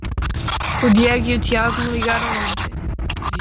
O Diego e o Tiago me ligaram ontem.